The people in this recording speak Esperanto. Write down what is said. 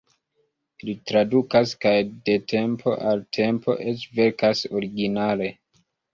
Li tradukas kaj de tempo al tempo eĉ verkas originale.